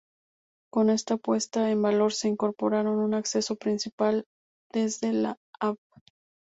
Con esta puesta en valor, se incorporaron un acceso principal desde la Av.